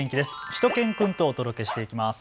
しゅと犬くんとお届けしていきます。